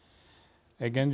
現状